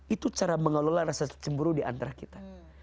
itu cara mengelola rasa cemburu diantara kita